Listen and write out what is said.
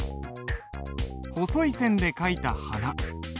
細い線で書いた「花」。